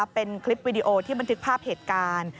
เป็นคลิปวิดีโอที่บันทึกภาพเหตุการณ์